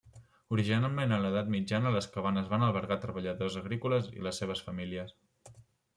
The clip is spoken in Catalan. Originalment en l'edat mitjana, les cabanes van albergar a treballadors agrícoles i les seves famílies.